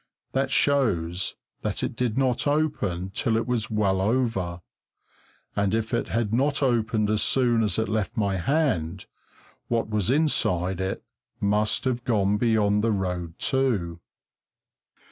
That shows that it did not open till it was well over; and if it had not opened as soon as it left my hand, what was inside it must have gone beyond the road too.